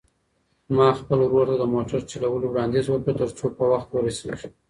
ما خپل ورور ته د موټر چلولو وړاندیز وکړ ترڅو په وخت ورسېږو.